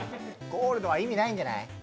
ゴールドは意味ないんじゃない？